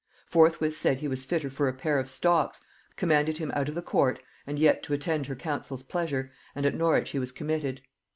Forthwith said he was fitter for a pair of stocks; commanded him out of the court, and yet to attend her council's pleasure, and at Norwich he was committed.